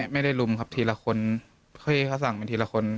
ไม่ได้ลุมครับทีละคนเห้ยเค้าสั่งเป็นทีละคน